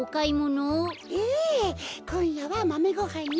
ええこんやはまめごはんよ。